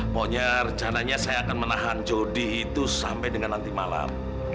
pokoknya rencananya saya akan menahan jody itu sampai dengan nanti malam